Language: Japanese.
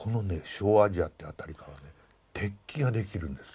小アジアって辺りからは鉄器ができるんですよ。